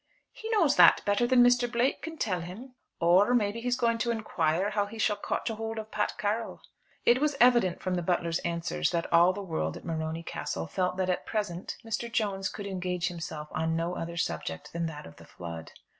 "He knows that better than Mr. Blake can tell him." "Or maybe he's going to inquire how he shall cotch a hould of Pat Carroll." It was evident, from the butler's answers, that all the world at Morony Castle felt that at present Mr. Jones could engage himself on no other subject than that of the flood.